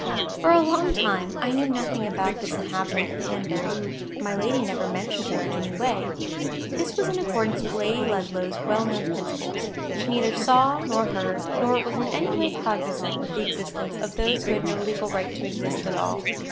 For a long time, I knew nothing about this new inhabitant of Hanbury. My lady never mentioned her in any way. This was in accordance with Lady Ludlow's well known principles. She neither saw nor heard, nor was in any way cognisant of the existence of those who had no legal right to exist at all.